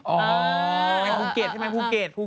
จริงไม่ภูเกตใช่ไหมภูเกตภูเกต